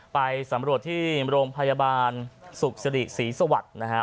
ไปสำรวจที่บรรโมงพยาบาลศุกร์สรีศาวัสตร์